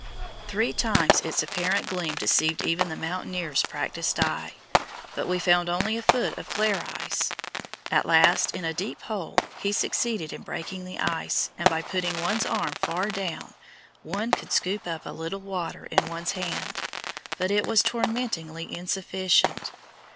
Three times its apparent gleam deceived even the mountaineer's practiced eye, but we found only a foot of "glare ice." At last, in a deep hole, he succeeded in breaking the ice, and by putting one's arm far down one could scoop up a little water in one's hand, but it was tormentingly insufficient.